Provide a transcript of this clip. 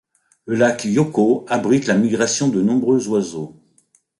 Le Lac Hyōko abrite la migration de nombreux oiseaux.